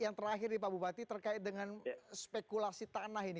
yang terakhir nih pak bupati terkait dengan spekulasi tanah ini